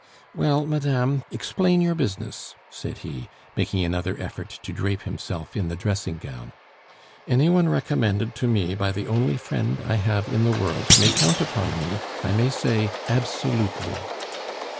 "Well, madame, explain your business," said he, making another effort to drape himself in the dressing gown. "Any one recommended to me by the only friend I have in the world may count upon me I may say absolutely."